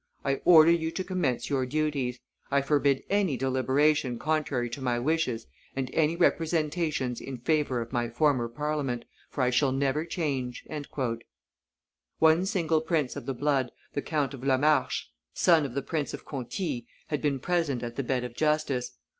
I order you to commence your duties. I forbid any deliberation contrary to my wishes and any representations in favor of my former Parliament, for I shall never change." One single prince of the blood, the Count of La Marche, son of the Prince of Conti, had been present at the bed of justice.